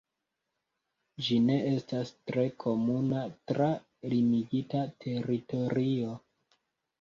Ĝi ne estas tre komuna tra limigita teritorio.